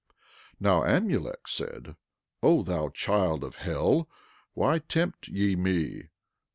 11:23 Now Amulek said: O thou child of hell, why tempt ye me?